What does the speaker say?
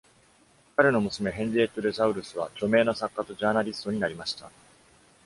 彼の娘ヘンリエット・デサウルスは、著名な作家とジャーナリストになりました。